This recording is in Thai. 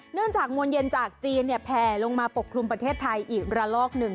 เนื่องจากมวลเย็นจากจีนเนี่ยแผ่ลงมาปกครุมประเทศไทยอีกระลอกหนึ่ง